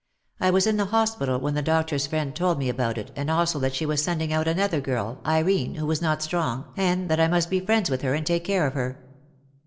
I was in the hospital when the doctor's friend told me about it and also that she was sending out another girl, Irene, who was not strong and that I must be friends with her and take care of her.